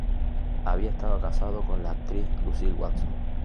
Había estado casado con la actriz Lucile Watson.